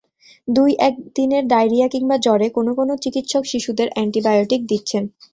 দুই একদিনের ডায়রিয়া কিংবা জ্বরে কোনো কোনো চিকিৎসক শিশুদের অ্যান্টিবায়োটিক দিচ্ছেন।